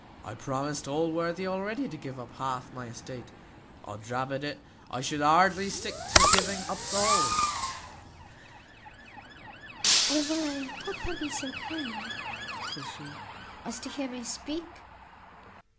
I promised Allworthy already to give up half my estate od rabbet it! I should hardly stick at giving up the whole." "Will my papa be so kind," says she, "as to hear me speak?"